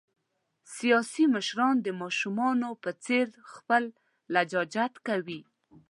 سیاسي مشران د ماشومان په څېر خپل لجاجت کوي.